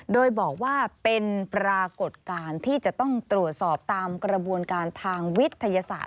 โดยบอกว่าเป็นปรากฏการณ์ที่จะต้องตรวจสอบตามกระบวนการทางวิทยาศาสตร์